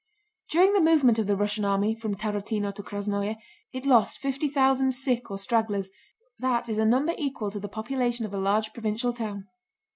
During the movement of the Russian army from Tarútino to Krásnoe it lost fifty thousand sick or stragglers, that is a number equal to the population of a large provincial town.